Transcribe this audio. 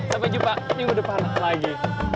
sampai jumpa minggu depan lagi